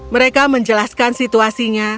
mereka menjelaskan situasinya